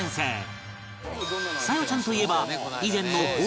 沙夜ちゃんといえば